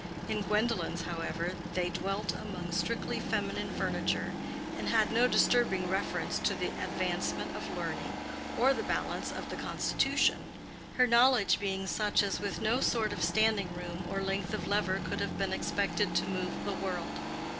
In Gwendolen's, however, they dwelt among strictly feminine furniture, and had no disturbing reference to the advancement of learning or the balance of the constitution; her knowledge being such as with no sort of standing room or length of lever could have been expected to move the world.